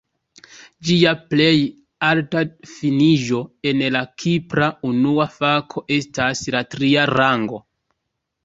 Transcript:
Ĝia plej alta finiĝo en la Kipra Unua Fako estas la tria rango.